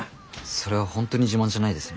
それは本当に自慢じゃないですね。